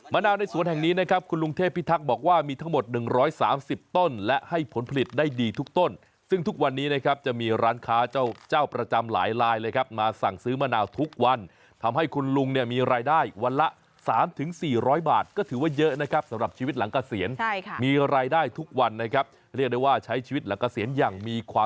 นาวในสวนแห่งนี้นะครับคุณลุงเทพิทักษ์บอกว่ามีทั้งหมด๑๓๐ต้นและให้ผลผลิตได้ดีทุกต้นซึ่งทุกวันนี้นะครับจะมีร้านค้าเจ้าเจ้าประจำหลายลายเลยครับมาสั่งซื้อมะนาวทุกวันทำให้คุณลุงเนี่ยมีรายได้วันละ๓๔๐๐บาทก็ถือว่าเยอะนะครับสำหรับชีวิตหลังเกษียณมีรายได้ทุกวันนะครับเรียกได้ว่าใช้ชีวิตหลังเกษียณอย่างมีความ